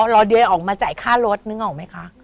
รอเดียออกมาจ่ายค่ารถนึกออกไหมคะ